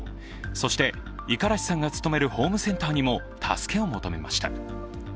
そして五十嵐さんが勤めるホームセンターにも助けを求めました。